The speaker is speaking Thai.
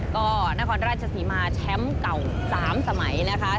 ก็นครราชศรีมาแชมป์เก่า๓สมัยนะคะ